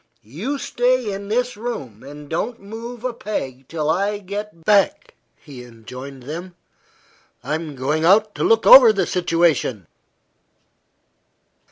"You stay in this room and don't move a peg till I get back," he enjoined them; "I'm going out to look over the situation."